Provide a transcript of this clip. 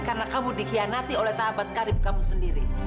karena kamu dikhianati oleh sahabat karib kamu sendiri